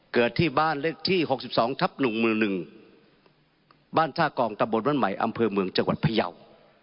เกิดที่บ้านเลขที่๖๒ทัพหนุ่มือหนึ่งบ้านทากองตะบดวันใหม่อำเภอเมืองจังหวัดพยาว